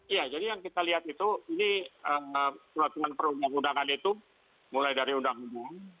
iya jadi yang kita lihat itu ini peraturan perundang undangan itu mulai dari undang undang